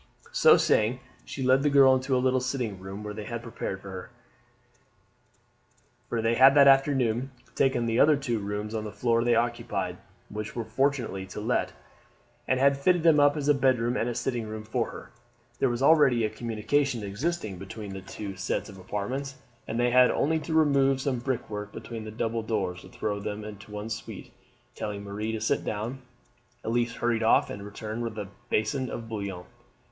So saying she led the girl to the little sitting room which they had prepared for her, for they had that afternoon taken the other two rooms on the floor they occupied, which were fortunately to let, and had fitted them up as a bed room and sitting room for her. There was already a communication existing between the two sets of apartments, and they had only to remove some brickwork between the double doors to throw them into one suite. Telling Marie to sit down, Elise hurried off and returned with a basin of bouillon.